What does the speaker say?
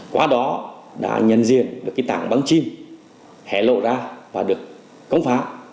qua đó đã nhận diện được cái tảng băng chìm hẻ lộ ra và được cống phá